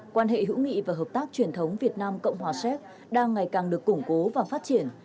quan hệ hữu nghị và hợp tác truyền thống việt nam cộng hòa séc đang ngày càng được củng cố và phát triển